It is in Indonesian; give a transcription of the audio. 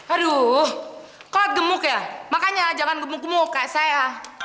aduh kok gemuk ya makanya jangan gemuk gemuk kayak saya